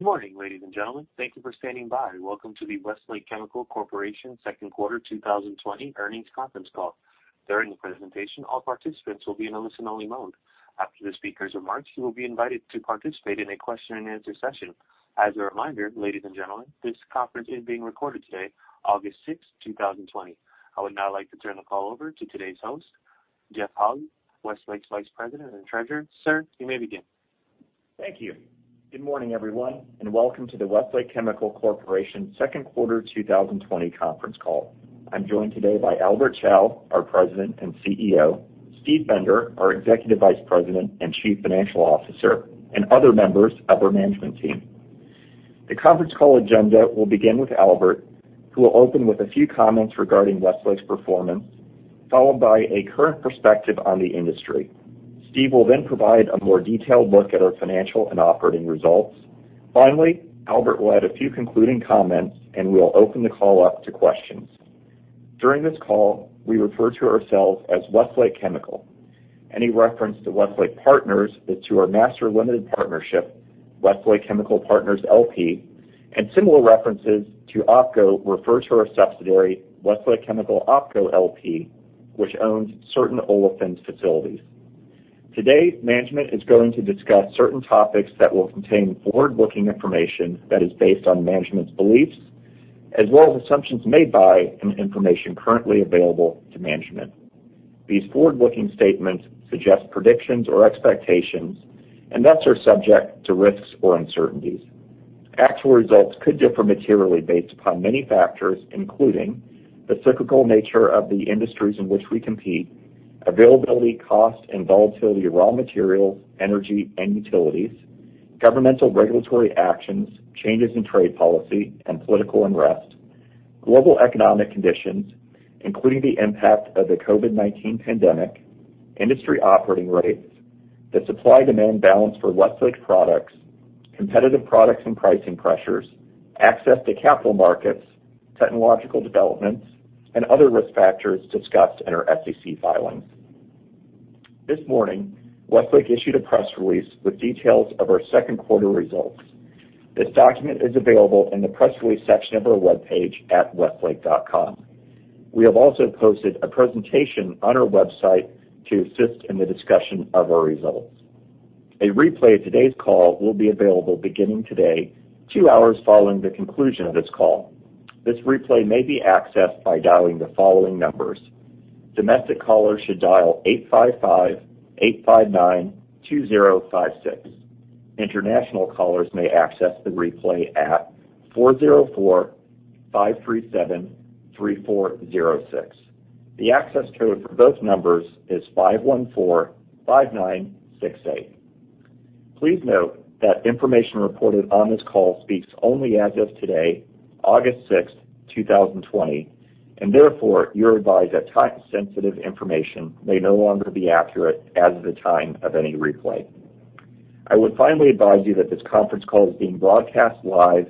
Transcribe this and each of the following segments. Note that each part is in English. Good morning, ladies and gentlemen. Thank you for standing by. Welcome to the Westlake Chemical Corporation second quarter 2020 earnings conference call. During the presentation, all participants will be in a listen-only mode. After the speakers' remarks, you will be invited to participate in a question-and-answer session. As a reminder, ladies and gentlemen, this conference is being recorded today, August 6th, 2020. I would now like to turn the call over to today's host, Jeff Holy, Westlake's Vice President and Treasurer. Sir, you may begin. Thank you. Good morning, everyone, and welcome to the Westlake Chemical Corporation second quarter 2020 conference call. I'm joined today by Albert Chao, our President and CEO, Steve Bender, our Executive Vice President and Chief Financial Officer, and other members of our management team. The conference call agenda will begin with Albert, who will open with a few comments regarding Westlake's performance, followed by a current perspective on the industry. Steve will then provide a more detailed look at our financial and operating results. Finally, Albert will add a few concluding comments, and we will open the call up to questions. During this call, we refer to ourselves as Westlake Chemical. Any reference to Westlake Partners is to our master limited partnership, Westlake Chemical Partners LP, and similar references to OpCo refer to our subsidiary, Westlake Chemical OpCo LP, which owns certain olefins facilities. Today, management is going to discuss certain topics that will contain forward-looking information that is based on management's beliefs, as well as assumptions made by and information currently available to management. These forward-looking statements suggest predictions or expectations, and thus are subject to risks or uncertainties. Actual results could differ materially based upon many factors, including the cyclical nature of the industries in which we compete, availability, cost, and volatility of raw materials, energy and utilities, governmental regulatory actions, changes in trade policy and political unrest, global economic conditions, including the impact of the COVID-19 pandemic, industry operating rates, the supply-demand balance for Westlake products, competitive products and pricing pressures, access to capital markets, technological developments, and other risk factors discussed in our SEC filings. This morning, Westlake issued a press release with details of our second quarter results. This document is available in the press release section of our webpage at westlake.com. We have also posted a presentation on our website to assist in the discussion of our results. A replay of today's call will be available beginning today, two hours following the conclusion of this call. This replay may be accessed by dialing the following numbers. Domestic callers should dial 855-859-2056. International callers may access the replay at 404-537-3406. The access code for both numbers is 5145968. Please note that information reported on this call speaks only as of today, August 6th, 2020, and therefore, you're advised that time-sensitive information may no longer be accurate as of the time of any replay. I would finally advise you that this conference call is being broadcast live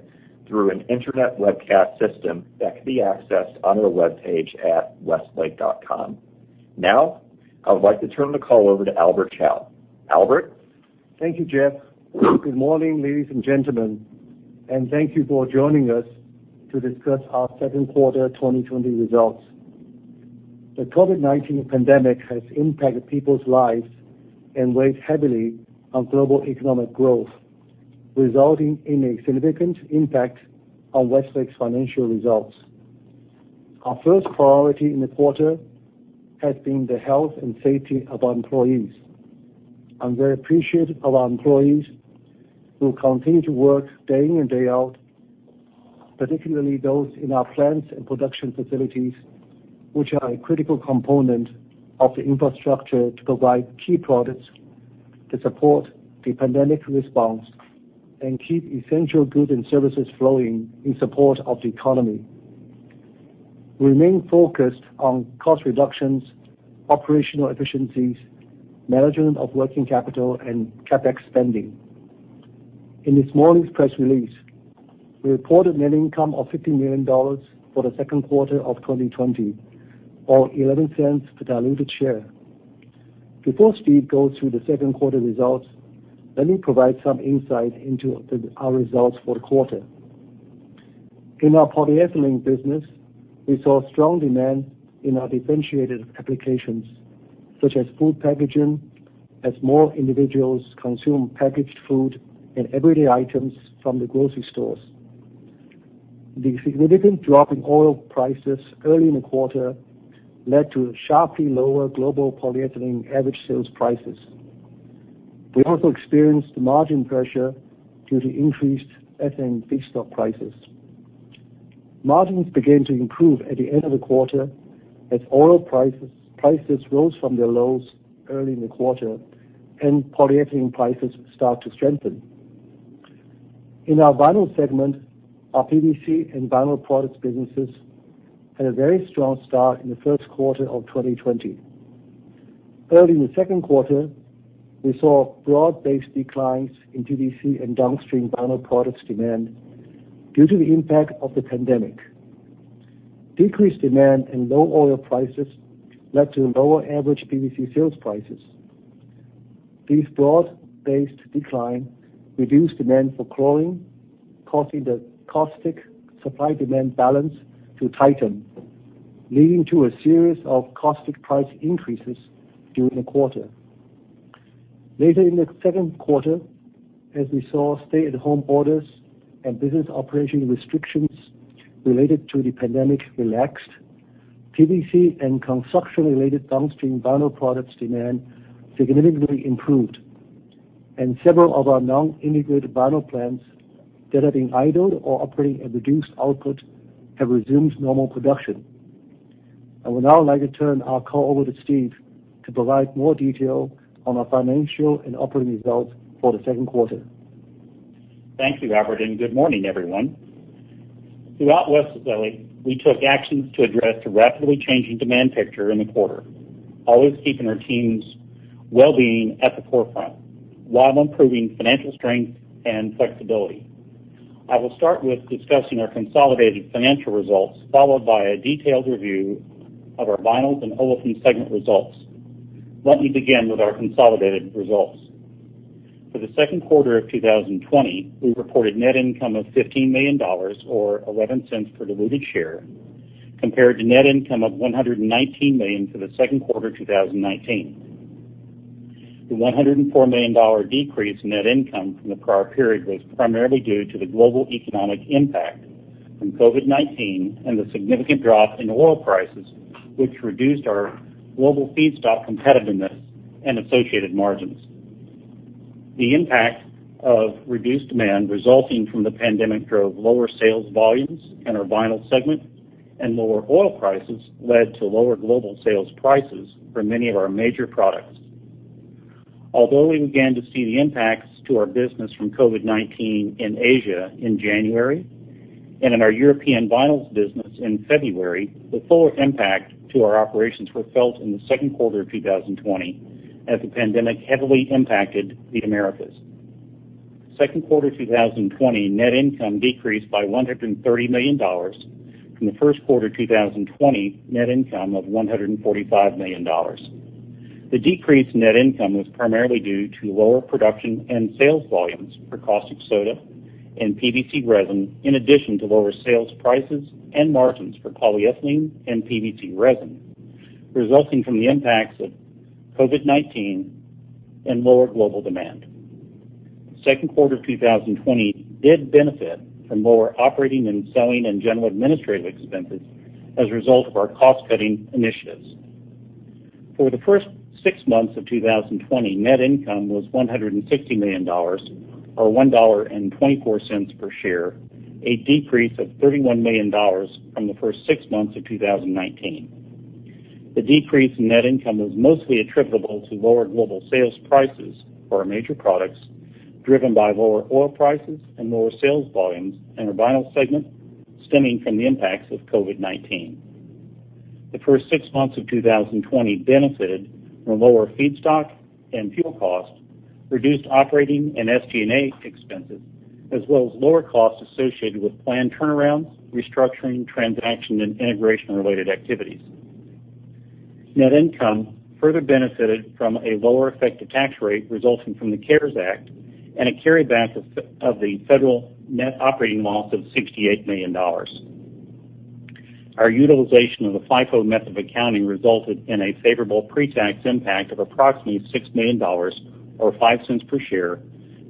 through an internet webcast system that can be accessed on our webpage at westlake.com. Now, I would like to turn the call over to Albert Chao. Albert? Thank you, Jeff. Good morning, ladies and gentlemen, and thank you for joining us to discuss our second quarter 2020 results. The COVID-19 pandemic has impacted people's lives and weighed heavily on global economic growth, resulting in a significant impact on Westlake's financial results. Our first priority in the quarter has been the health and safety of our employees. I'm very appreciative of our employees who continue to work day in and day out, particularly those in our plants and production facilities, which are a critical component of the infrastructure to provide key products to support the pandemic response and keep essential goods and services flowing in support of the economy. We remain focused on cost reductions, operational efficiencies, management of working capital, and CapEx spending. In this morning's press release, we reported net income of $50 million for the second quarter of 2020, or $0.11 per diluted share. Before Steve goes through the second quarter results, let me provide some insight into our results for the quarter. In our polyethylene business, we saw strong demand in our differentiated applications, such as food packaging, as more individuals consume packaged food and everyday items from the grocery stores. The significant drop in oil prices early in the quarter led to sharply lower global polyethylene average sales prices. We also experienced margin pressure due to increased ethane feedstock prices. Margins began to improve at the end of the quarter as oil prices rose from their lows early in the quarter and polyethylene prices start to strengthen. In our vinyl segment, our PVC and vinyl products businesses had a very strong start in the first quarter of 2020. Early in the second quarter, we saw broad-based declines in PVC and downstream vinyl products demand due to the impact of the pandemic. Decreased demand and low oil prices led to lower average PVC sales prices. This broad-based decline reduced demand for chlorine, causing the caustic supply-demand balance to tighten, leading to a series of caustic price increases during the quarter. Later in the second quarter, as we saw stay-at-home orders and business operation restrictions related to the pandemic relaxed, PVC and construction-related downstream Vinyl products demand significantly improved, and several of our non-integrated Vinyl plants that had been idled or operating at reduced output have resumed normal production. I would now like to turn our call over to Steve to provide more detail on our financial and operating results for the second quarter. Thank you, Albert, and good morning, everyone. Throughout Westlake, we took actions to address the rapidly changing demand picture in the quarter, always keeping our teams' well-being at the forefront while improving financial strength and flexibility. I will start with discussing our consolidated financial results, followed by a detailed review of our Vinyls and Olefins segment results. Let me begin with our consolidated results. For the second quarter of 2020, we reported net income of $15 million, or $0.11 per diluted share, compared to net income of $119 million for the second quarter 2019. The $104 million decrease in net income from the prior period was primarily due to the global economic impact from COVID-19 and the significant drop in oil prices, which reduced our global feedstock competitiveness and associated margins. The impact of reduced demand resulting from the pandemic drove lower sales volumes in our Vinyls segment, and lower oil prices led to lower global sales prices for many of our major products. Although we began to see the impacts to our business from COVID-19 in Asia in January and in our European Vinyls business in February, the fullest impact to our operations were felt in the second quarter of 2020 as the pandemic heavily impacted the Americas. Second quarter 2020 net income decreased by $130 million from the first quarter 2020 net income of $145 million. The decrease in net income was primarily due to lower production and sales volumes for caustic soda and PVC resin, in addition to lower sales prices and margins for polyethylene and PVC resin, resulting from the impacts of COVID-19 and lower global demand. Second quarter 2020 did benefit from lower operating and selling and general administrative expenses as a result of our cost-cutting initiatives. For the first six months of 2020, net income was $160 million, or $1.24 per share, a decrease of $31 million from the first six months of 2019. The decrease in net income was mostly attributable to lower global sales prices for our major products, driven by lower oil prices and lower sales volumes in our Vinyls segment, stemming from the impacts of COVID-19. The first six months of 2020 benefitted from lower feedstock and fuel costs, reduced operating and SG&A expenses, as well as lower costs associated with planned turnarounds, restructuring, transaction, and integration-related activities. Net income further benefitted from a lower effective tax rate resulting from the CARES Act and a carryback of the federal net operating loss of $68 million. Our utilization of the FIFO method of accounting resulted in a favorable pretax impact of approximately $6 million, or $0.05 per share,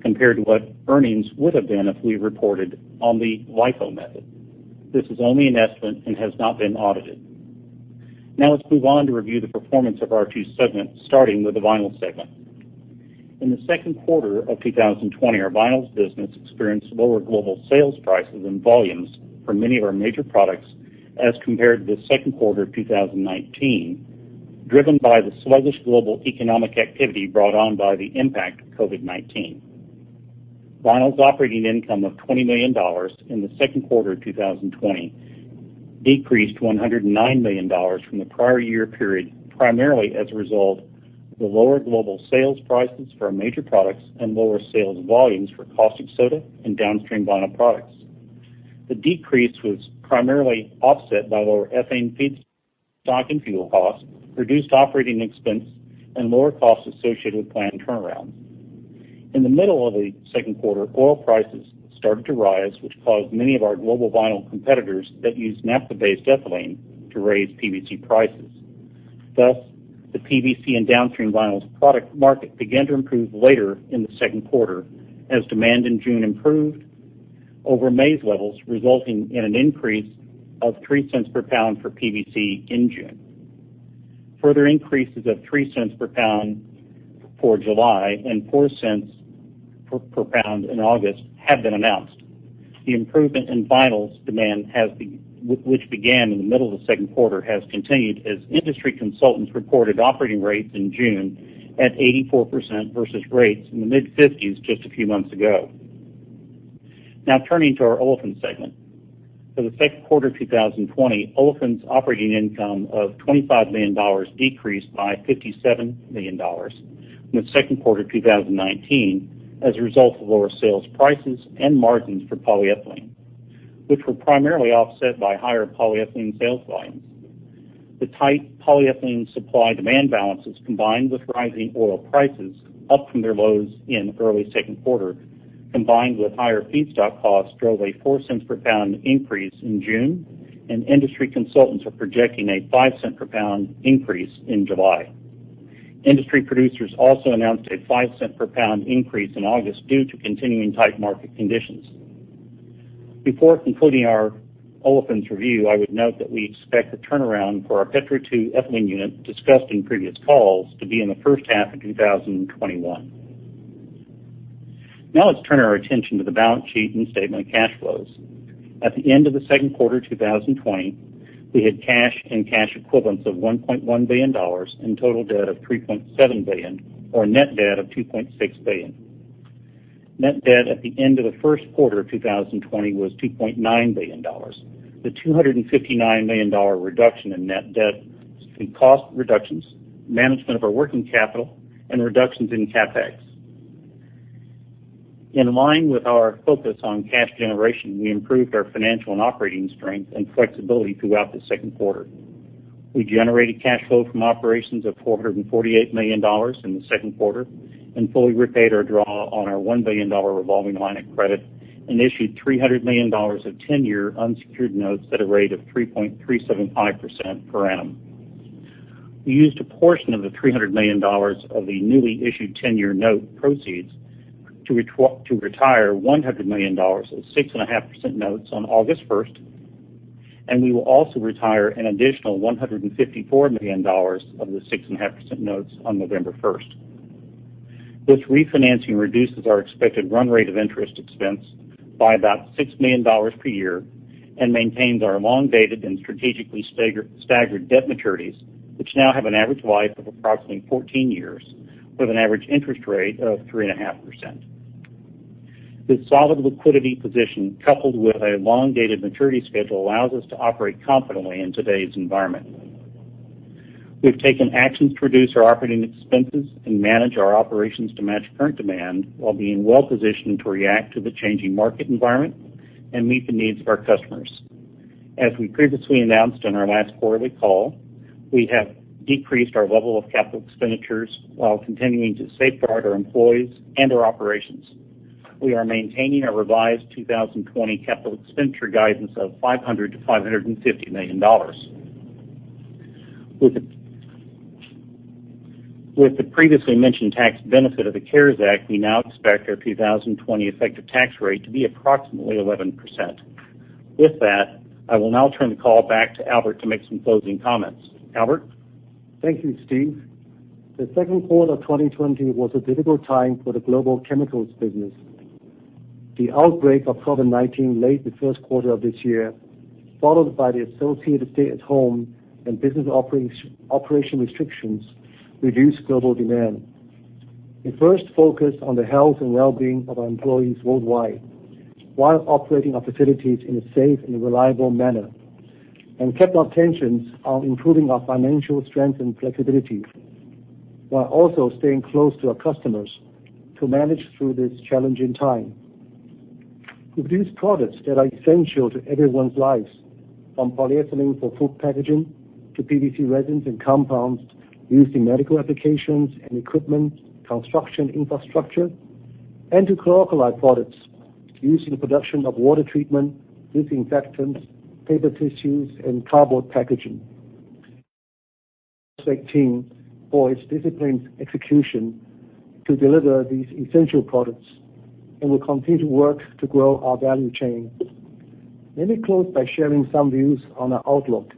compared to what earnings would have been if we reported on the LIFO method. This is only an estimate and has not been audited. Let's move on to review the performance of our two segments, starting with the Vinyls segment. In the second quarter of 2020, our Vinyls business experienced lower global sales prices and volumes for many of our major products as compared to the second quarter of 2019, driven by the sluggish global economic activity brought on by the impact of COVID-19. Vinyls operating income of $20 million in the second quarter of 2020 decreased $109 million from the prior year period, primarily as a result of the lower global sales prices for our major products and lower sales volumes for caustic soda and downstream vinyl products. The decrease was primarily offset by lower ethane feedstock and fuel costs, reduced operating expense, and lower costs associated with planned turnarounds. In the middle of the second quarter, oil prices started to rise, which caused many of our global vinyl competitors that use naphtha-based ethylene to raise PVC prices. The PVC and downstream vinyls product market began to improve later in the second quarter as demand in June improved over May's levels, resulting in an increase of $0.03 per pound for PVC in June. Further increases of $0.03 per pound for July and $0.04 per pound in August have been announced. The improvement in Vinyls demand which began in the middle of the second quarter has continued as industry consultants reported operating rates in June at 84% versus rates in the mid-50s just a few months ago. Turning to our Olefins segment. For the second quarter 2020, Olefins operating income of $25 million decreased by $57 million, in the second quarter of 2019, as a result of lower sales prices and margins for polyethylene, which were primarily offset by higher polyethylene sales volumes. The tight polyethylene supply-demand balances, combined with rising oil prices up from their lows in early second quarter, combined with higher feedstock costs, drove a $0.04 per pound increase in June, and industry consultants are projecting a $0.05 per pound increase in July. Industry producers also announced a $0.05 per pound increase in August due to continuing tight market conditions. Before concluding our Olefins review, I would note that we expect the turnaround for our Petro II Ethylene unit discussed in previous calls to be in the first half of 2021. Now let's turn our attention to the balance sheet and statement of cash flows. At the end of the second quarter 2020, we had cash and cash equivalents of $1.1 billion and total debt of $3.7 billion, or net debt of $2.6 billion. Net debt at the end of the first quarter of 2020 was $2.9 billion. The $259 million reduction in net debt in cost reductions, management of our working capital, and reductions in CapEx. In line with our focus on cash generation, we improved our financial and operating strength and flexibility throughout the second quarter. We generated cash flow from operations of $448 million in the second quarter and fully repaid our draw on our $1 billion revolving line of credit and issued $300 million of 10-year unsecured notes at a rate of 3.375% per annum. We used a portion of the $300 million of the newly issued 10-year note proceeds to retire $100 million of 6.5% notes on August 1st. We will also retire an additional $154 million of the 6.5% notes on November 1st. This re-financing reduces our expected run rate of interest expense by about $6 million per year and maintains our long-dated and strategically staggered debt maturities, which now have an average life of approximately 14 years with an average interest rate of 3.5%. This solid liquidity position, coupled with a long-dated maturity schedule, allows us to operate confidently in today's environment. We have taken actions to reduce our operating expenses and manage our operations to match current demand while being well-positioned to react to the changing market environment and meet the needs of our customers. As we previously announced on our last quarterly call, we have decreased our level of capital expenditures while continuing to safeguard our employees and our operations. We are maintaining our revised 2020 capital expenditure guidance of $500 million-$550 million. With the previously mentioned tax benefit of the CARES Act, we now expect our 2020 effective tax rate to be approximately 11%. With that, I will now turn the call back to Albert to make some closing comments. Albert? Thank you, Steve. The second quarter of 2020 was a difficult time for the global chemicals business. The outbreak of COVID-19 late the first quarter of this year, followed by the associated stay-at-home and business operation restrictions, reduced global demand. We first focused on the health and well-being of our employees worldwide while operating our facilities in a safe and reliable manner, kept our attentions on improving our financial strength and flexibility, while also staying close to our customers to manage through this challenging time. We produce products that are essential to everyone's lives, from polyethylene for food packaging to PVC resins and compounds used in medical applications and equipment, construction infrastructure, and to chlor-alkali products used in the production of water treatment, disinfectants, paper tissues, and cardboard packaging. Westlake team for its disciplined execution to deliver these essential products and will continue to work to grow our value chain. Let me close by sharing some views on our outlook.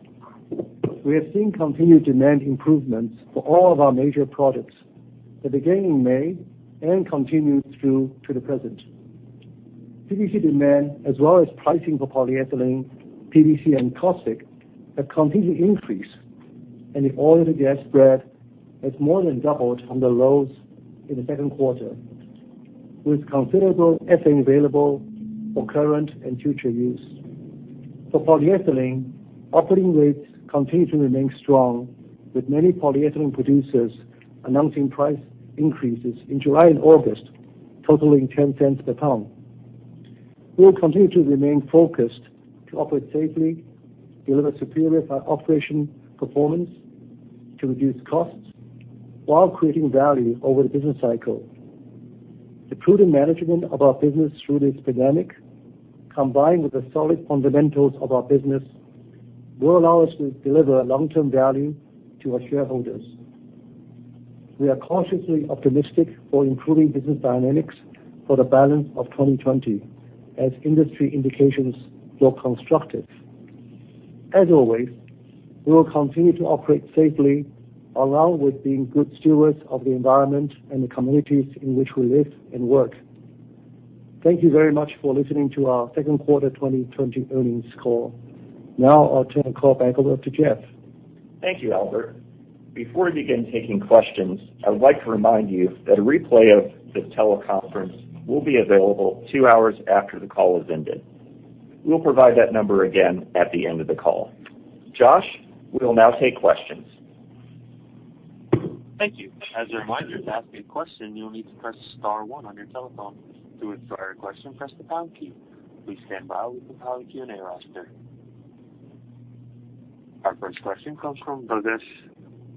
We are seeing continued demand improvements for all of our major products that began in May and continued through to the present. PVC demand as well as pricing for polyethylene, PVC, and caustic have continued to increase, and the oil and gas spread has more than doubled from the lows in the second quarter. With considerable ethane available for current and future use. For polyethylene, operating rates continue to remain strong with many polyethylene producers announcing price increases in July and August totaling $0.10 per pound. We will continue to remain focused to operate safely, deliver superior operation performance to reduce costs while creating value over the business cycle. The prudent management of our business through this pandemic, combined with the solid fundamentals of our business, will allow us to deliver long-term value to our shareholders. We are cautiously optimistic for improving business dynamics for the balance of 2020 as industry indications grow constructive. As always, we will continue to operate safely, along with being good stewards of the environment and the communities in which we live and work. Thank you very much for listening to our second quarter 2020 earnings call. Now I'll turn the call back over to Jeff. Thank you, Albert. Before we begin taking questions, I would like to remind you that a replay of this tele-conference will be available two hours after the call has ended. We'll provide that number again at the end of the call. Josh, we'll now take questions. Thank you. As a reminder to ask a question you will need to press star one on your telephone. To withdraw your question press star two. Please standby while we compile the Q&A roster. Our first question comes from Bhavesh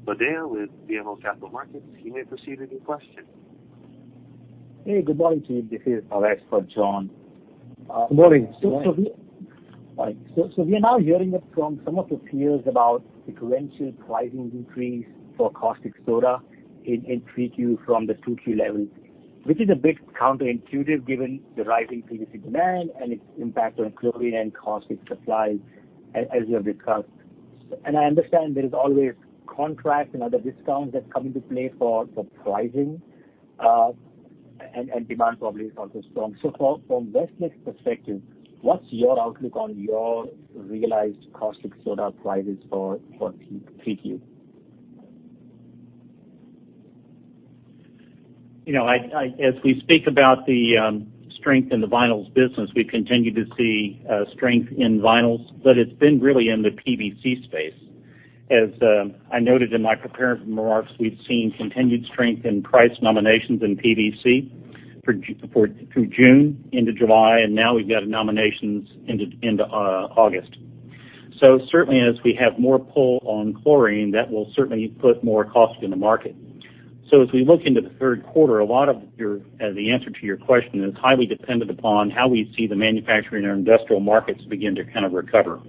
Lodaya with BMO Capital Markets. You may proceed with your question. Hey, Good morning to you. This is Bhavesh for John. Good morning. We are now hearing it from some of the peers about the sequential pricing increase for caustic soda in 3Q from the 2Q levels, which is a bit counterintuitive given the rising PVC demand and its impact on chlorine and caustic supplies as you have discussed. I understand there is always contracts and other discounts that come into play for the pricing, and demand probably is also strong. From Westlake's perspective, what's your outlook on your realized caustic soda prices for 3Q? As we speak about the strength in the Vinyls business, we continue to see strength in Vinyls, but it's been really in the PVC space. As I noted in my prepared remarks, we've seen continued strength in price nominations in PVC through June into July, and now we've got nominations into August. Certainly as we have more pull on chlorine, that will certainly put more caustic in the market. As we look into the third quarter, a lot of the answer to your question is highly dependent upon how we see the manufacturing and industrial markets begin to kind of recover.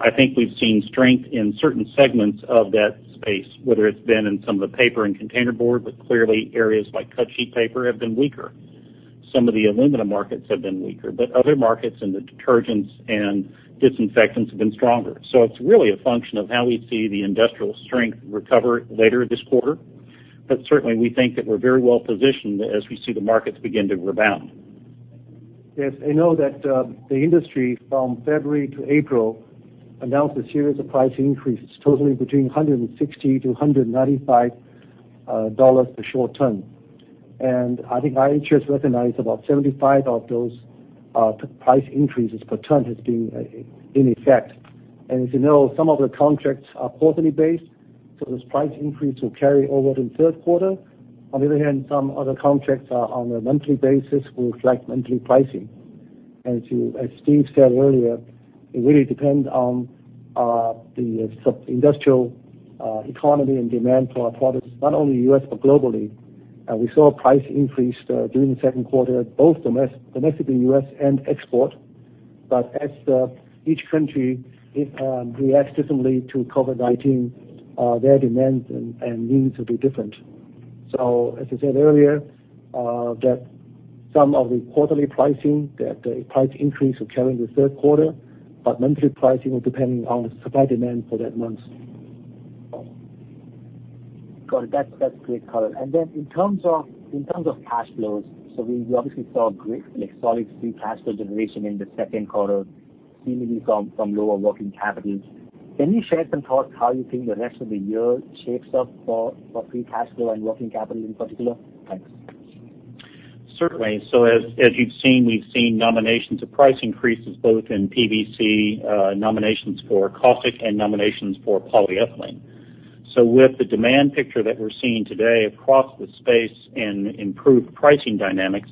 I think we've seen strength in certain segments of that space, whether it's been in some of the paper and container board, but clearly areas like cut-sheet paper have been weaker. Some of the aluminum markets have been weaker, but other markets in the detergents and disinfectants have been stronger. It's really a function of how we see the industrial strength recover later this quarter. Certainly we think that we're very well positioned as we see the markets begin to rebound. Yes. I know that the industry from February to April announced a series of price increases totaling between $160-$195 per short ton. I think IHS recognized about $75 of those price increases per ton has been in effect. As you know, some of the contracts are quarterly based, so this price increase will carry over in the third quarter. On the other hand, some other contracts are on a monthly basis, reflect monthly pricing. As Steve said earlier, it really depends on the industrial economy and demand for our products, not only U.S. but globally. We saw a price increase during the second quarter, both domestically U.S. and export. As each country reacts differently to COVID-19, their demands and needs will be different. As I said earlier, that some of the quarterly pricing that price increase will carry in the third quarter, but monthly pricing will depend on the supply demand for that month. Got it. That's great color. Then in terms of cash flows, we obviously saw great, solid free cash flow generation in the second quarter, seemingly from lower working capital. Can you share some thoughts how you think the rest of the year shapes up for free cash flow and working capital in particular? Thanks. Certainly. As you've seen, we've seen nominations of price increases both in PVC nominations for caustic and nominations for polyethylene. With the demand picture that we're seeing today across the space and improved pricing dynamics,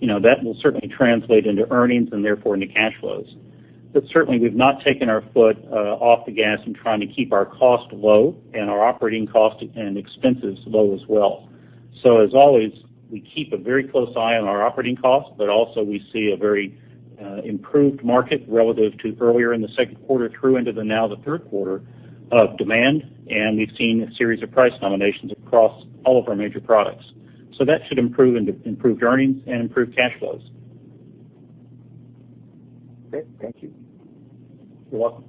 that will certainly translate into earnings and therefore into cash flows. Certainly we've not taken our foot off the gas in trying to keep our cost low and our operating cost and expenses low as well. As always, we keep a very close eye on our operating costs, but also we see a very improved market relative to earlier in the second quarter through into the now the third quarter of demand. We've seen a series of price nominations across all of our major products. That should improve earnings and improve cash flows. Great. Thank you. You're welcome.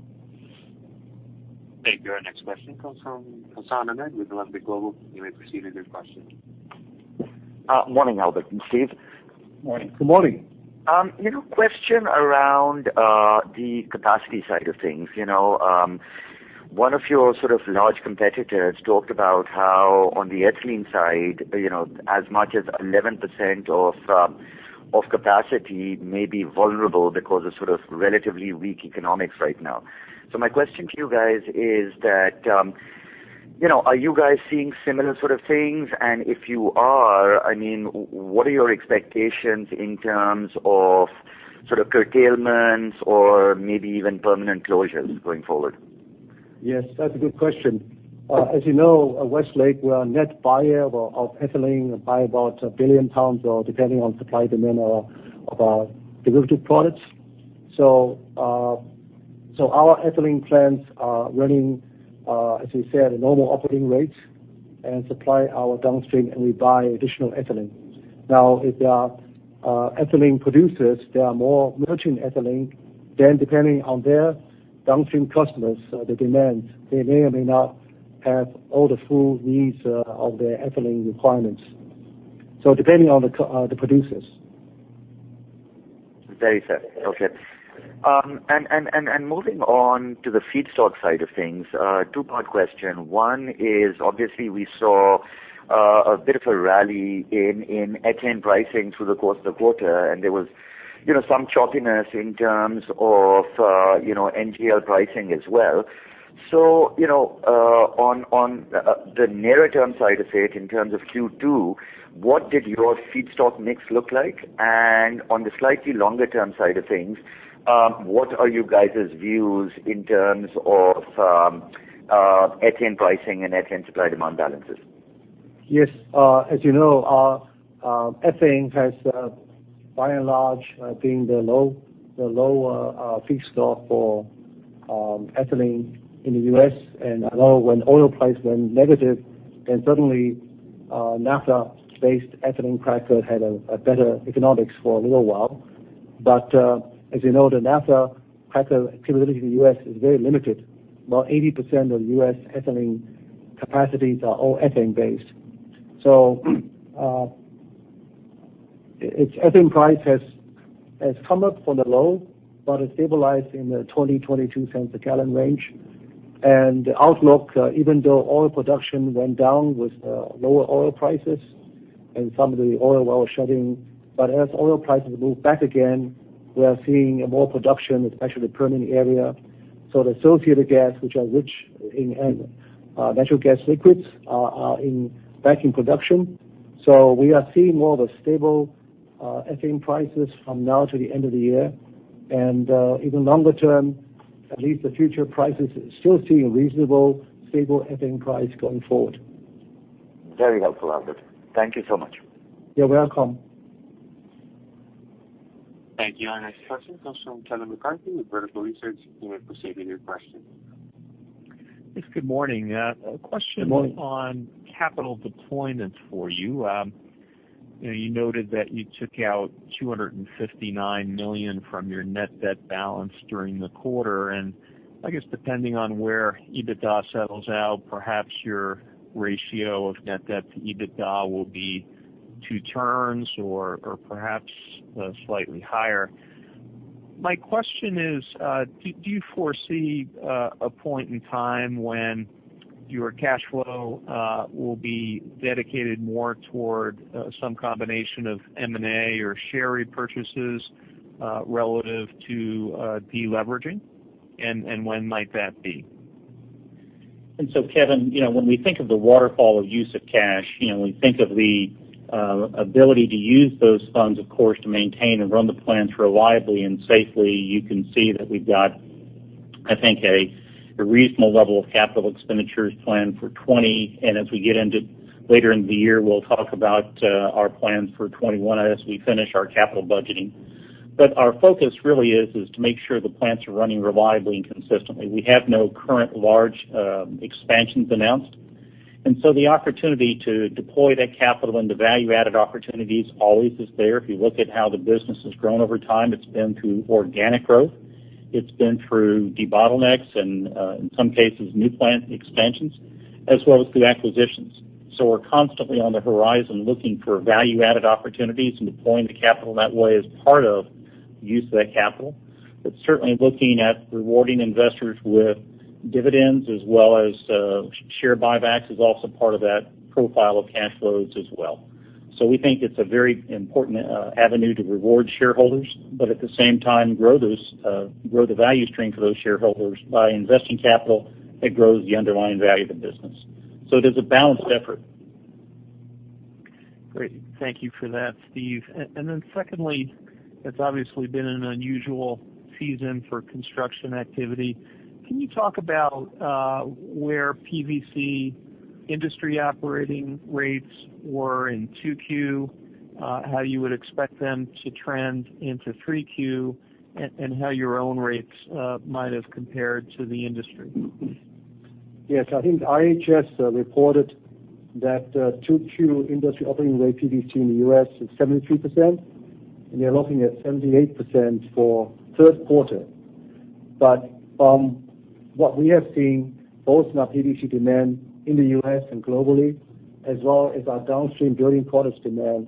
Thank you. Our next question comes from Hassan Ahmed with Alembic Global. You may proceed with your question. Morning, Albert and Steve. Morning. Good morning. Question around the capacity side of things. One of your sort of large competitors talked about how on the ethylene side as much as 11% of capacity may be vulnerable because of sort of relatively weak economics right now. My question to you guys is that are you guys seeing similar sort of things? If you are, what are your expectations in terms of sort of curtailments or maybe even permanent closures going forward? Yes, that's a good question. As you know, at Westlake, we are a net buyer of ethylene by about 1 billion pounds or depending on supply demand of our derivative products. Our ethylene plants are running, as we said, at normal operating rates and supply our downstream, and we buy additional ethylene. Now, if there are ethylene producers, there are more merchant ethylene, then depending on their downstream customers, the demand, they may or may not have all the full needs of their ethylene requirements. Depending on the producers. Very fair. Okay. Moving on to the feedstock side of things, a two-part question. One is obviously we saw a bit of a rally in ethane pricing through the course of the quarter, and there was some choppiness in terms of NGL pricing as well. On the nearer term side of it, in terms of Q2, what did your feedstock mix look like? On the slightly longer term side of things, what are you guys' views in terms of ethane pricing and ethane supply-demand balances? Yes. As you know, ethane has by and large been the lower feedstock for ethylene in the U.S., and when oil price went negative, then suddenly, naphtha-based ethylene cracker had a better economics for a little while. As you know, the naphtha cracker activity in the U.S. is very limited. About 80% of U.S. ethylene capacities are all ethane-based. Ethane price has come up from the low, but it stabilized in the $0.20-$0.22 a gallon range. The outlook, even though oil production went down with lower oil prices and some of the oil well shutting. As oil prices move back again, we are seeing more production, especially Permian area. The associated gas, which are rich in natural gas liquids, are back in production. We are seeing more of a stable ethane prices from now to the end of the year. Even longer term, at least the future prices still seem reasonable, stable ethane price going forward. Very helpful, Albert. Thank you so much. You're welcome. Thank you. Our next question comes from Kevin McCarthy with Vertical Research. You may proceed with your question. Yes, Good morning. Good morning. A question on capital deployment for you. You noted that you took out $259 million from your net debt balance during the quarter. I guess depending on where EBITDA settles out, perhaps your ratio of net debt to EBITDA will be two turns or perhaps slightly higher. My question is, do you foresee a point in time when your cash flow will be dedicated more toward some combination of M&A or share repurchases relative to de-leveraging? When might that be? Kevin, when we think of the waterfall of use of cash, we think of the ability to use those funds, of course, to maintain and run the plants reliably and safely. You can see that we've got, I think, a reasonable level of capital expenditures planned for 2020. As we get into later in the year, we'll talk about our plans for 2021 as we finish our capital budgeting. Our focus really is to make sure the plants are running reliably and consistently. We have no current large expansions announced, and so the opportunity to deploy that capital into value-added opportunities always is there. If you look at how the business has grown over time, it's been through organic growth. It's been through debottlenecks and, in some cases, new plant expansions as well as through acquisitions. We're constantly on the horizon looking for value-added opportunities and deploying the capital that way as part of use of that capital. Certainly looking at rewarding investors with dividends as well as share buybacks is also part of that profile of cash flows as well. We think it's a very important avenue to reward shareholders, but at the same time, grow the value stream for those shareholders by investing capital that grows the underlying value of the business. There's a balanced effort. Great. Thank you for that, Steve. Secondly, It's obviously been an unusual season for construction activity. Can you talk about where PVC industry operating rates were in 2Q, How you would expect them to trend into 3Q, and how your own rates might have compared to the industry? Yes. I think IHS reported that Q2 industry operating rate PVC in the U.S. is 73%. They're looking at 78% for third quarter. From what we have seen, both in our PVC demand in the U.S. and globally, as well as our downstream building products demand,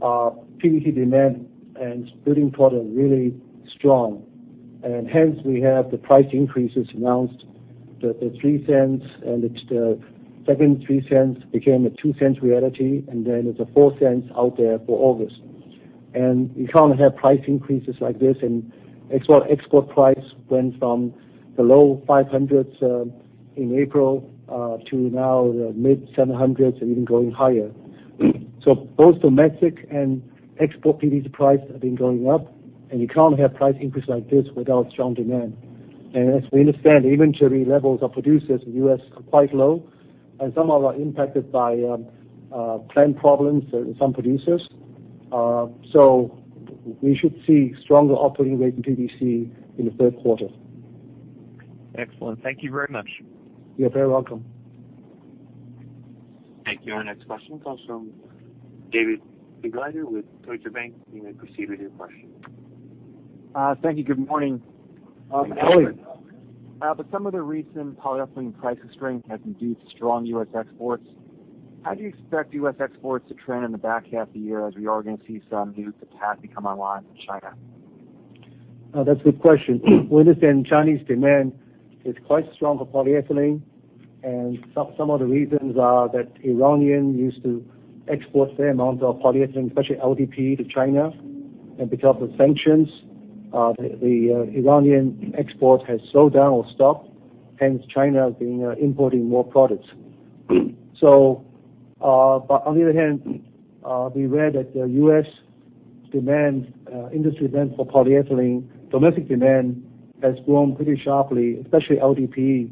PVC demand and building product really strong. Hence we have the price increases announced, the $0.03 and it's the second $0.03 became a $0.02 reality, and then there's a $0.04 out there for August. You can't have price increases like this and export price went from the low $500s in April to now the mid-$700s and even going higher. Both domestic and export PVC price have been going up, and you can't have price increase like this without strong demand. As we understand, inventory levels of producers in the U.S. are quite low, and some are impacted by plant problems in some producers. We should see stronger operating rate in PVC in the third quarter. Excellent. Thank you very much. You're very welcome. Thank you. Our next question comes from David Begleiter with Deutsche Bank. You may proceed with your question. Thank you. Good morning. Good morning. Some of the recent polyethylene price strength has induced strong U.S. exports. How do you expect U.S. exports to trend in the back half of the year, as we are going to see some new capacity come online from China? That's a good question. We understand Chinese demand is quite strong for polyethylene. Some of the reasons are that Iranians used to export their amounts of polyethylene, especially LDPE to China. Because of the sanctions, the Iranian export has slowed down or stopped, hence China has been importing more products. On the other hand, we read that the U.S. industry demand for polyethylene, domestic demand, has grown pretty sharply, especially LDPE.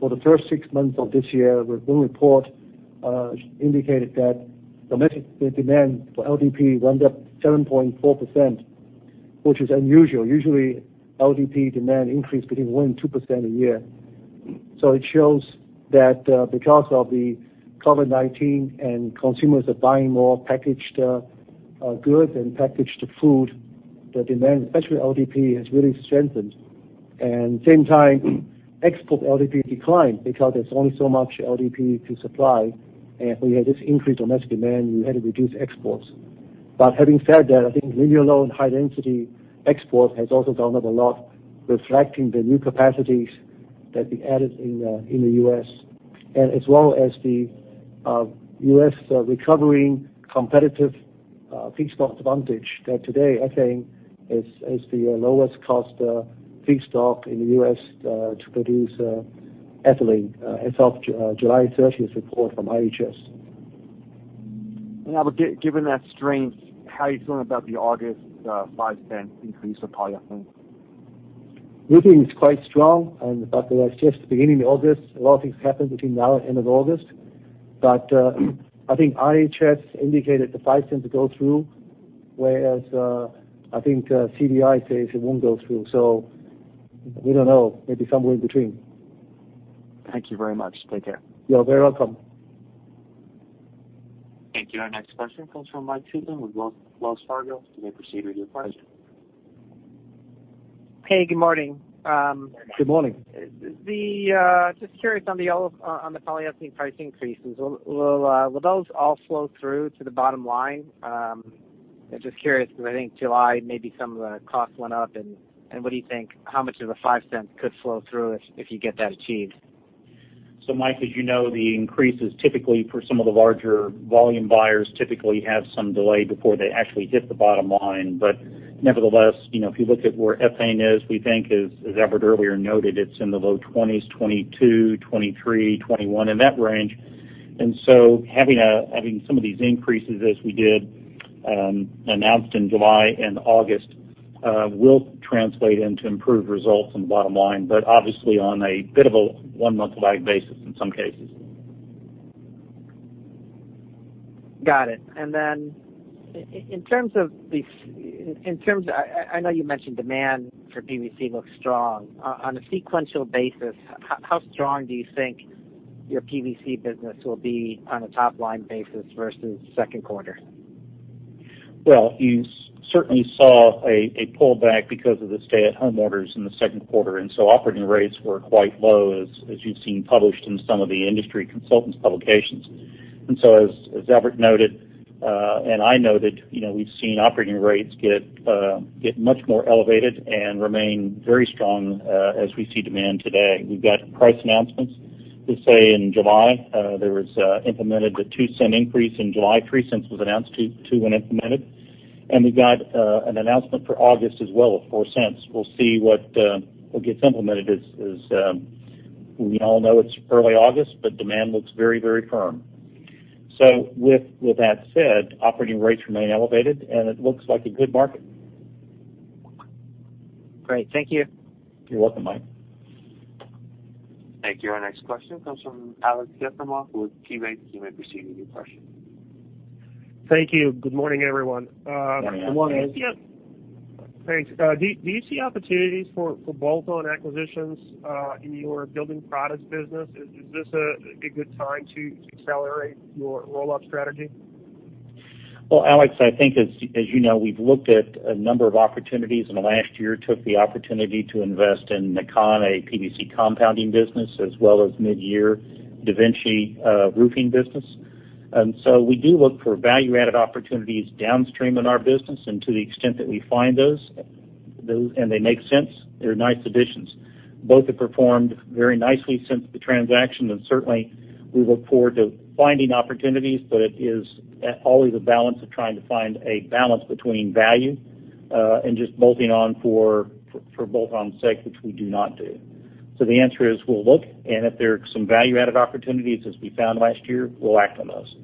For the first six months of this year, one report indicated that domestic demand for LDPE went up 7.4%, which is unusual. Usually, LDPE demand increase between 1% and 2% a year. It shows that because of the COVID-19 and consumers are buying more packaged goods and packaged food, the demand, especially LDPE, has really strengthened. Same time, export LDPE declined because there's only so much LDPE to supply. We had this increased domestic demand, we had to reduce exports. Having said that, I think linear low and high-density export has also gone up a lot, reflecting the new capacities that we added in the U.S., as well as the U.S. recovering competitive feedstock advantage that today, ethane is the lowest cost feedstock in the U.S. to produce ethylene as of July 30th report from IHS. Albert, given that strength, how are you feeling about the August $0.05 increase for polyethylene? We think it's quite strong. It's just the beginning of August. A lot of things happen between now and end of August. I think IHS indicated the $0.05 will go through, whereas I think CDI says it won't go through. We don't know. Maybe somewhere in between. Thank you very much. Take care. You're very welcome. Thank you. Our next question comes from Mike Sisson with Wells Fargo. You may proceed with your question. Hey, Good morning. Good morning. Just curious on the polyethylene price increases. Will those all flow through to the bottom line? I'm just curious because I think July, maybe some of the costs went up and what do you think, how much of the $0.05 could flow through if you get that achieved? Mike, as you know, the increases typically for some of the larger volume buyers typically have some delay before they actually hit the bottom line. Nevertheless, if you look at where ethane is, we think as Albert earlier noted, it's in the low 20s, 22, 23, 21, in that range. Having some of these increases as we did announced in July and August will translate into improved results in the bottom line, but obviously on a bit of a one month lag basis in some cases. Got it. I know you mentioned demand for PVC looks strong. On a sequential basis, how strong do you think your PVC business will be on a top line basis versus second quarter? Well, you certainly saw a pullback because of the stay at home orders in the second quarter, operating rates were quite low as you've seen published in some of the industry consultants' publications. As Albert noted, and I noted, we've seen operating rates get much more elevated and remain very strong as we see demand today. We've got price announcements. We say in July, there was implemented a $0.02 increase in July, $0.03 was announced to when implemented. We got an announcement for August as well of $0.04. We'll see what gets implemented as we all know it's early August, demand looks very firm. With that said, operating rates remain elevated, it looks like a good market. Great. Thank you. You're welcome, Mike. Thank you. Our next question comes from Alex Gertsburg with KeyBanc. You may proceed with your question. Thank you. Good morning, everyone. Good morning, Alex. Thanks. Do you see opportunities for bolt-on acquisitions in your building products business? Is this a good time to accelerate your roll-up strategy? Well, Alex, I think as you know, we've looked at a number of opportunities in the last year. Took the opportunity to invest in NAKAN, a PVC compounding business, as well as mid-year DaVinci Roofscapes business. We do look for value-added opportunities downstream in our business, and to the extent that we find those, and they make sense, they're nice additions. Both have performed very nicely since the transaction, and certainly we look forward to finding opportunities, but it is always a balance of trying to find a balance between value and just bolting on for bolt-on sake, which we do not do. The answer is we'll look, and if there are some value-added opportunities as we found last year, we'll act on those.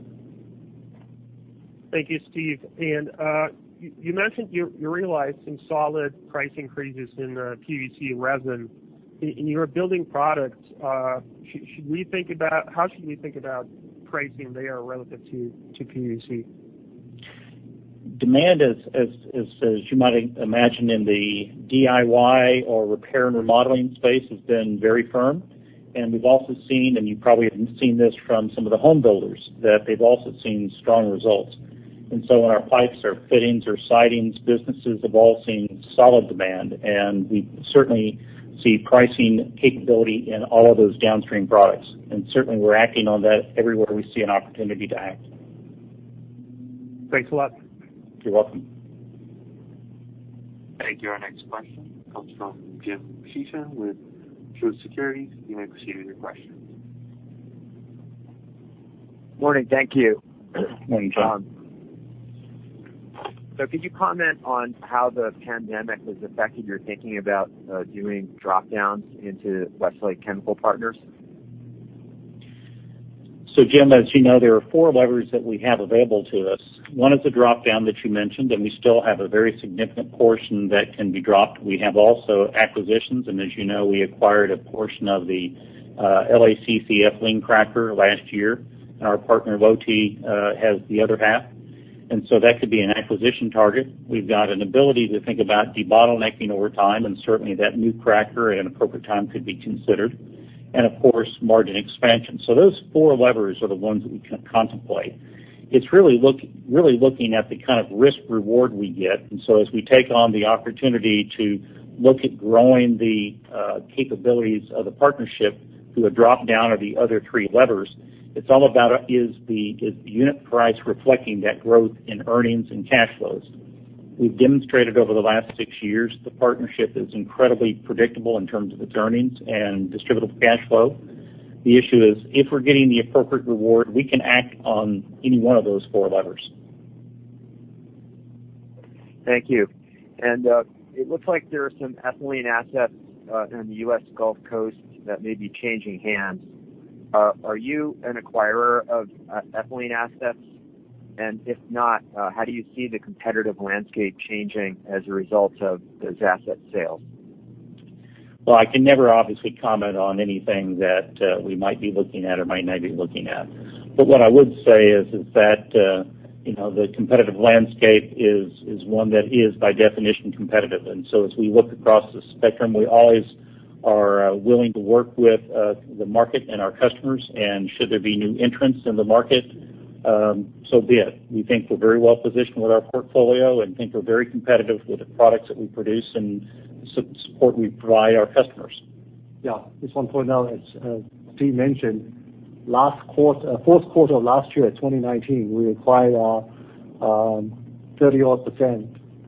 Thank you, Steve. You mentioned you realized some solid price increases in the PVC resin in your building products. How should we think about pricing there relative to PVC? Demand as you might imagine in the DIY or repair and remodeling space has been very firm. We've also seen, and you probably have even seen this from some of the home builders, that they've also seen strong results. In our pipes, our fittings, our sidings businesses have all seen solid demand, and we certainly see pricing capability in all of those downstream products. Certainly, we're acting on that everywhere we see an opportunity to act. Thanks a lot. You're welcome. Thank you. Our next question comes from Jim Sheehan with Truist Securities. You may proceed with your question. Morning. Thank you. Morning, Jim. Could you comment on how the pandemic has affected your thinking about doing drop-downs into Westlake Chemical Partners? Jim, as you know, there are four levers that we have available to us. One is the drop-down that you mentioned, and we still have a very significant portion that can be dropped. We have also acquisitions, and as you know, we acquired a portion of the LACC Olefin cracker last year, and our partner, Lotte, has the other half. That could be an acquisition target. We've got an ability to think about debottlenecking over time, and certainly that new cracker at an appropriate time could be considered. Of course, margin expansion. Those four levers are the ones that we contemplate. It's really looking at the kind of risk-reward we get. As we take on the opportunity to look at growing the capabilities of the Partnership through a drop-down or the other three levers, it's all about, is the unit price reflecting that growth in earnings and cash flows? We've demonstrated over the last six years the Partnership is incredibly predictable in terms of its earnings and distributable cash flow. The issue is, if we're getting the appropriate reward, we can act on any one of those four levers. Thank you. It looks like there are some ethylene assets in the U.S. Gulf Coast that may be changing hands. Are you an acquirer of ethylene assets? If not, how do you see the competitive landscape changing as a result of those asset sales? Well, I can never obviously comment on anything that we might be looking at or might not be looking at. What I would say is that the competitive landscape is one that is by definition competitive. As we look across the spectrum, we always are willing to work with the market and our customers, and should there be new entrants in the market, so be it. We think we're very well-positioned with our portfolio and think we're very competitive with the products that we produce and support we provide our customers. Yeah. Just one point, as Steve mentioned, fourth quarter last year, 2019, we acquired 38%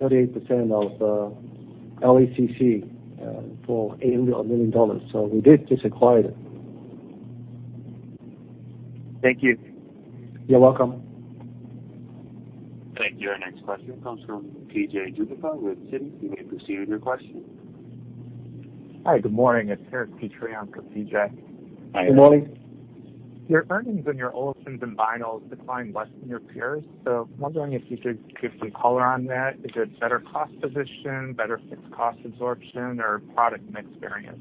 of LACC for $800 million. We did just acquire it. Thank you. You're welcome. Thank you. Our next question comes from P.J. Juvekar with Citi. You may proceed with your question. Hi. Good morning. It's Eric Petrie of P.J. Good morning. Your earnings on your Olefins and Vinyls declined less than your peers. Wondering if you could give some color on that? Is it better cost position, better fixed cost absorption, or product mix variance?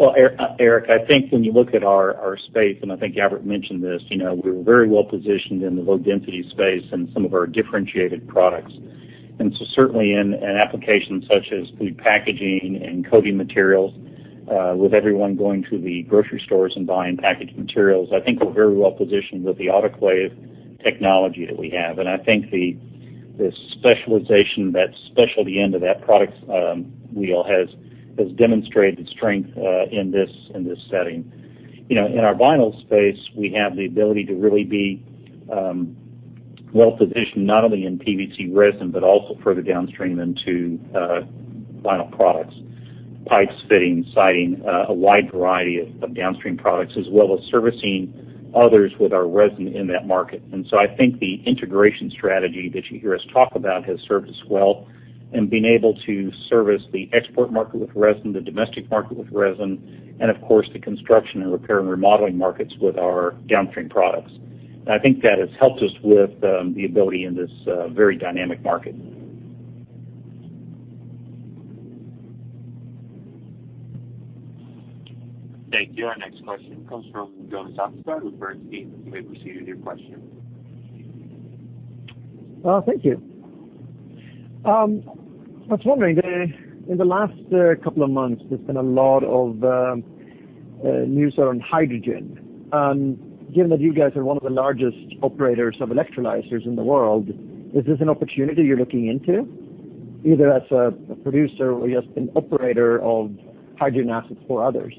Eric, I think when you look at our space, I think Albert mentioned this, we're very well-positioned in the low-density space in some of our differentiated products. Certainly in an application such as food packaging and coating materials, with everyone going to the grocery stores and buying packaged materials, I think we're very well-positioned with the autoclave technology that we have. I think the specialization, that specialty end of that product wheel has demonstrated strength in this setting. In our Vinyl space, we have the ability to really be well-positioned not only in PVC resin, but also further downstream into vinyl products, pipes, fittings, siding, a wide variety of downstream products, as well as servicing others with our resin in that market. I think the integration strategy that you hear us talk about has served us well in being able to service the export market with resin, the domestic market with resin, and of course, the construction and repair and remodeling markets with our downstream products. I think that has helped us with the ability in this very dynamic market. Thank you. Our next question comes from Jonas Oxgaard with Bernstein. You may proceed with your question. Thank you. I was wondering, in the last couple of months, there's been a lot of news around hydrogen. Given that you guys are one of the largest operators of electrolyzers in the world, is this an opportunity you're looking into, either as a producer or as an operator of hydrogen assets for others?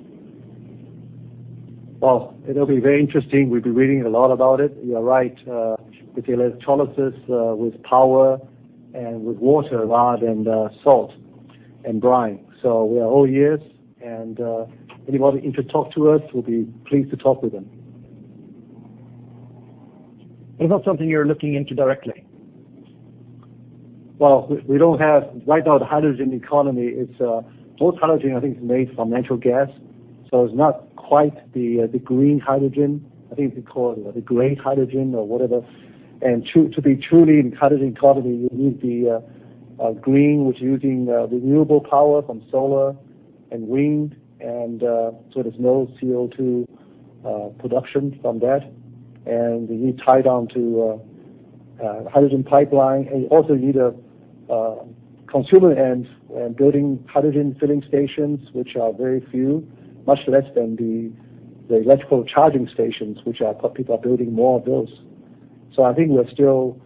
Well, it'll be very interesting. We've been reading a lot about it. You're right. With the electrolysis, with power, and with water rather than salt and brine. We are all ears, and anybody interested to talk to us, we'll be pleased to talk with them. It's not something you're looking into directly? Well, right now the hydrogen economy, most hydrogen I think is made from natural gas, so it's not quite the green hydrogen. I think they call it the gray hydrogen or whatever. To be truly in hydrogen economy, you need the green, which using renewable power from solar and wind, and so there's no CO2 production from that. You need tie down to a hydrogen pipeline. You also need a consumer end and building hydrogen filling stations, which are very few, much less than the electrical charging stations, which people are building more of those. I think we're still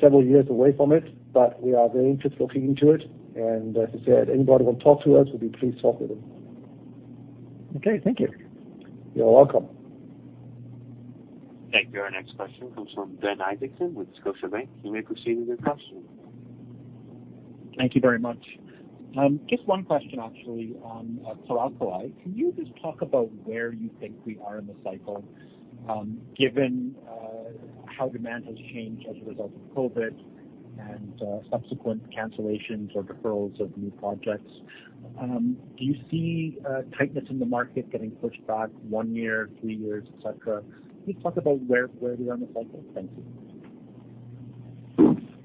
several years away from it, but we are very interested looking into it. As I said, anybody want to talk to us, we'll be pleased to talk with them. Okay. Thank you. You're welcome. Thank you. Our next question comes from Ben Isaacson with Scotiabank. Thank you very much. Just one question, actually, on chlor-alkali. Can you just talk about where you think we are in the cycle, given how demand has changed as a result of COVID and subsequent cancellations or deferrals of new projects? Do you see tightness in the market getting pushed back one year, three years, etc? Can you talk about where we are in the cycle? Thank you.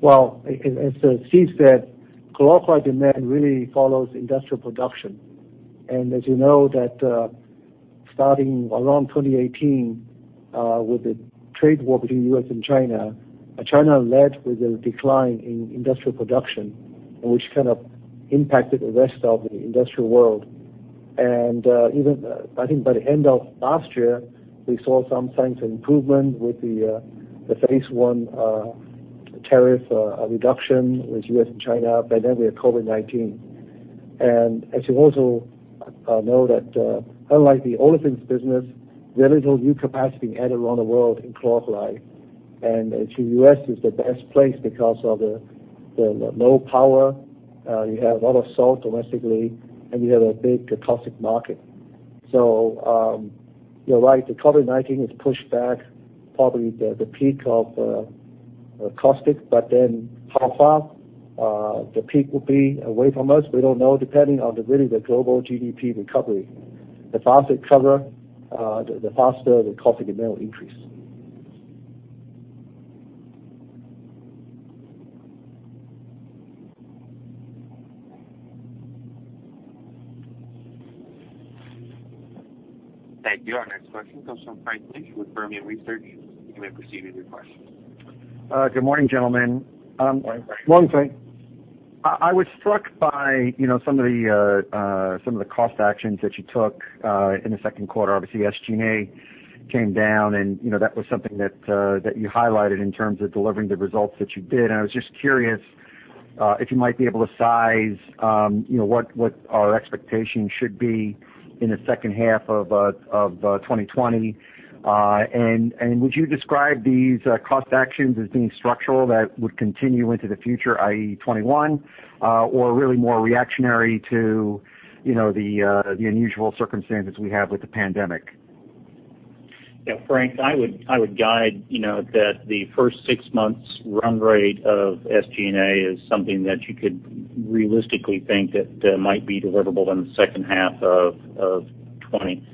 Well, as Steve Bender said, chlor-alkali demand really follows industrial production. As you know that starting around 2018, with the trade war between U.S. and China led with a decline in industrial production, and which kind of impacted the rest of the industrial world. I think by the end of last year, we saw some signs of improvement with the Phase I tariff reduction with U.S. and China. By then we had COVID-19. As you also know that, unlike the Olefins business, very little new capacity added around the world in chlor-alkali. U.S. is the best place because of the low power, you have a lot of salt domestically, and you have a big caustic market. You're right, the COVID-19 has pushed back probably the peak of caustic. How far the peak will be away from us, we don't know, depending on the really the global GDP recovery. The faster the recovery, the faster the caustic demand will increase. Thank you. Our next question comes from Frank Mitsh with Fermium Research. You may proceed with your question. Good morning, Gentlemen. Morning, Frank. Morning, Frank. I was struck by some of the cost actions that you took in the second quarter. Obviously, SG&A came down, and that was something that you highlighted in terms of delivering the results that you did. I was just curious if you might be able to size what our expectation should be in the second half of 2020. Would you describe these cost actions as being structural that would continue into the future, i.e., 2021, or really more reactionary to the unusual circumstances we have with the pandemic? Yeah, Frank, I would guide that the first six months run rate of SG&A is something that you could realistically think that might be deliverable in the second half of 2020.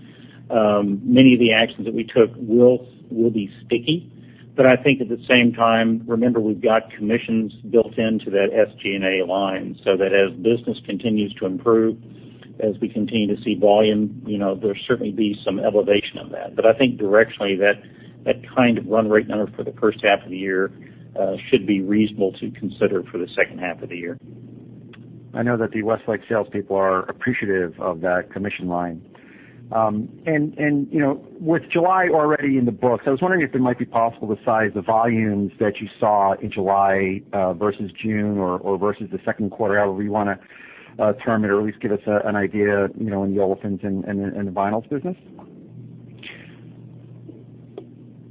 Many of the actions that we took will be sticky. I think at the same time, remember, we've got commissions built into that SG&A line, so that as business continues to improve, as we continue to see volume, there'll certainly be some elevation of that. I think directionally, that kind of run rate number for the first half of the year should be reasonable to consider for the second half of the year. I know that the Westlake salespeople are appreciative of that commission line. With July already in the books, I was wondering if it might be possible to size the volumes that you saw in July versus June or versus the second quarter. However you want to term it, or at least give us an idea, in the Olefins and the Vinyls business.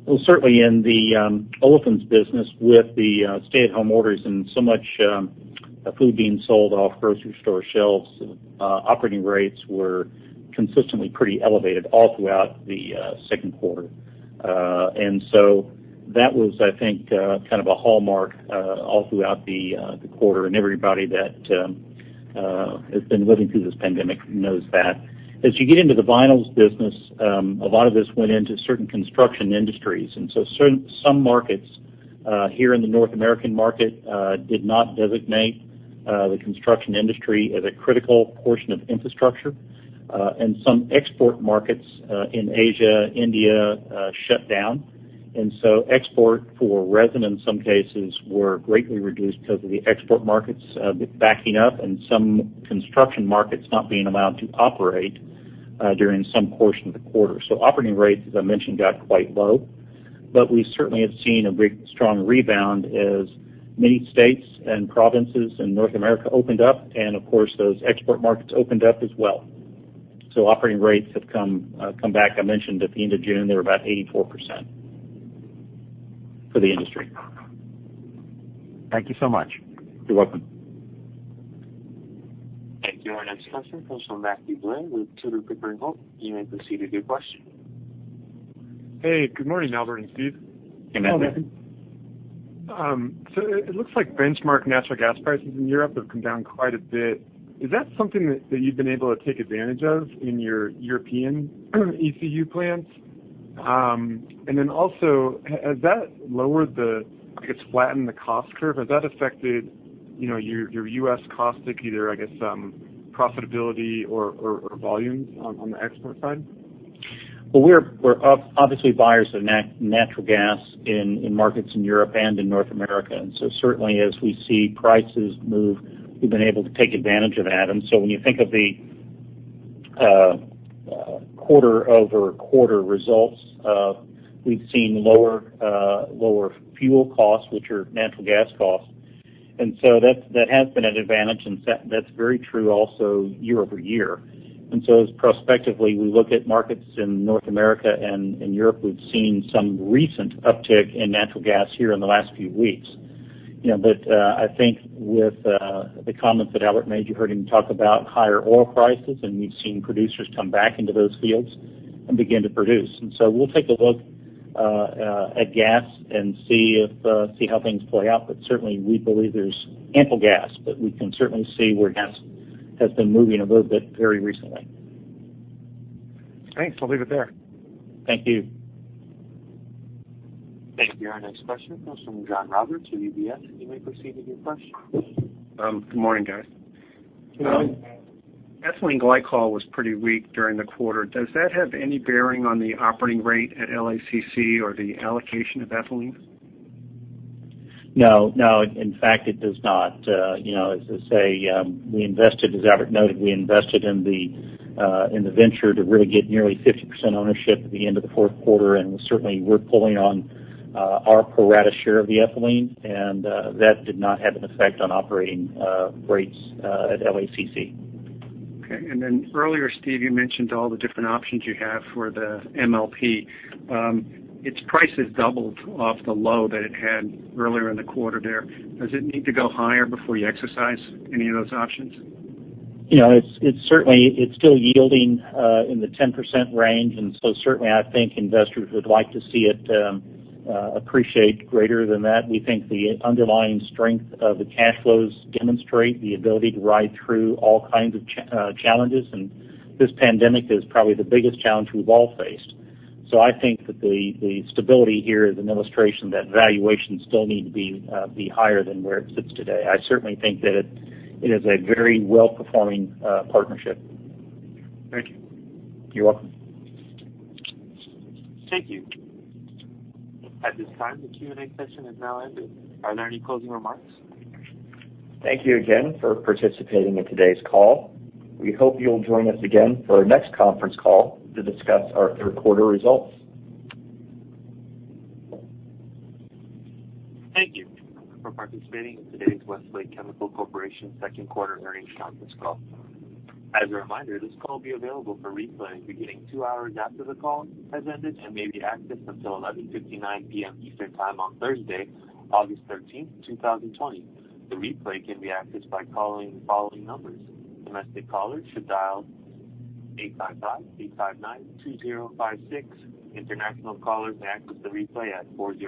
Well, certainly in the Olefins business with the stay-at-home orders and so much food being sold off grocery store shelves, operating rates were consistently pretty elevated all throughout the second quarter. That was, I think, kind of a hallmark all throughout the quarter. Everybody that has been living through this pandemic knows that. As you get into the Vinyls business, a lot of this went into certain construction industries. Some markets here in the North American market did not designate the construction industry as a critical portion of infrastructure. Some export markets in Asia, India shut down. Export for resin, in some cases, were greatly reduced because of the export markets backing up and some construction markets not being allowed to operate during some portion of the quarter. Operating rates, as I mentioned, got quite low. We certainly have seen a strong rebound as many states and provinces in North America opened up, and of course, those export markets opened up as well. Operating rates have come back. I mentioned at the end of June, they were about 84% for the industry. Thank you so much. You're welcome. Thank you. Our next question comes from Matthew Blair with Tudor, Pickering, Holt. You may proceed with your question. Hey, Good morning, Albert and Steve. Hey, Matthew. Hello, Matthew. It looks like benchmark natural gas prices in Europe have come down quite a bit. Is that something that you've been able to take advantage of in your European ECU plants? Also, has that flattened the cost curve? Has that affected your U.S. caustic, either, I guess, profitability or volumes on the export side? Well, we're obviously buyers of natural gas in markets in Europe and in North America. Certainly as we see prices move, we've been able to take advantage of that. When you think of the quarter-over-quarter results, we've seen lower fuel costs, which are natural gas costs. That has been an advantage, and that's very true also year-over-year. As prospectively we look at markets in North America and in Europe, we've seen some recent uptick in natural gas here in the last few weeks. I think with the comments that Albert made, you heard him talk about higher oil prices, and we've seen producers come back into those fields and begin to produce. We'll take a look at gas and see how things play out. Certainly, we believe there's ample gas, but we can certainly see where gas has been moving a little bit very recently. Thanks. I'll leave it there. Thank you. Thank you. Our next question comes from John Roberts with UBS. You may proceed with your question. Good morning, guys. Good morning. Ethylene glycol was pretty weak during the quarter. Does that have any bearing on the operating rate at LACC or the allocation of ethylene? No. In fact, it does not. As I say, as Albert noted, we invested in the venture to really get nearly 50% ownership at the end of the fourth quarter, and certainly, we're pulling on our pro rata share of the ethylene, and that did not have an effect on operating rates at LACC. Okay. Earlier, Steve, you mentioned all the different options you have for the MLP. Its price has doubled off the low that it had earlier in the quarter there. Does it need to go higher before you exercise any of those options? It's still yielding in the 10% range, and so certainly, I think investors would like to see it appreciate greater than that. We think the underlying strength of the cash flows demonstrate the ability to ride through all kinds of challenges, and this pandemic is probably the biggest challenge we've all faced. I think that the stability here is an illustration that valuations still need to be higher than where it sits today. I certainly think that it is a very well-performing partnership. Thank you. You're welcome. Thank you. At this time, the Q&A session has now ended. Are there any closing remarks? Thank you again for participating in today's call. We hope you'll join us again for our next conference call to discuss our third quarter results. Thank you for participating in today's Westlake Chemical Corporation second quarter earnings conference call. As a reminder, this call will be available for replay beginning two hours after the call has ended and may be accessed until 11:59 P.M. Eastern Time on Thursday, August 13, 2020. The replay can be accessed by calling the following numbers. Domestic callers should dial 855-859-2056. International callers may access the replay at 40.